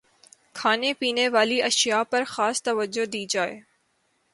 کھانے پینے والی اشیا پرخاص توجہ دی جائے